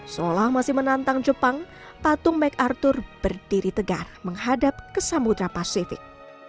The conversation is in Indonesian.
seolah masih menantang jepang patung macarthur berdiri tegar menghadap ke samudra pasifik